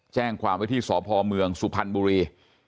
แจ้งความไว้ที่สพเมืองสุพรรณบุรี